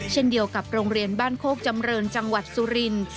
เช่นเดียวกับโรงเรียนบ้านโคกจำเรินจังหวัดสุรินทร์